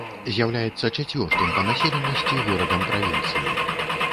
З'яўляецца чацвёртым па населенасці горадам правінцыі.